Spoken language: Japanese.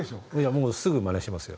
もうすぐマネしますよ。